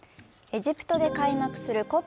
エジプトで開幕するＣＯＰ